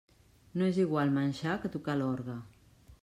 No és igual manxar que tocar l'orgue.